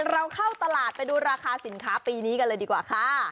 เราเข้าตลาดไปดูราคาสินค้าปีนี้กันเลยดีกว่าค่ะ